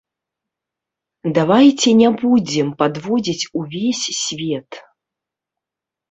Давайце не будзем падводзіць увесь свет.